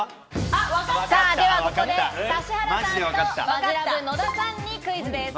ではここで、指原さんとマヂラブ・野田さんにクイズです。